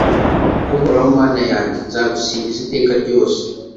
Uhoraho Mana yanjye nzagusingiza iteka ryose